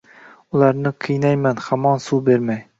Ularni qiynayman hamon suv bermay…